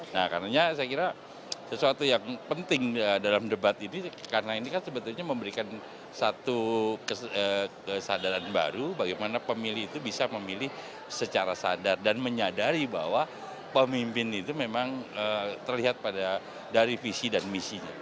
nah karena saya kira sesuatu yang penting dalam debat ini karena ini kan sebetulnya memberikan satu kesadaran baru bagaimana pemilih itu bisa memilih secara sadar dan menyadari bahwa pemimpin itu memang terlihat pada dari visi dan misinya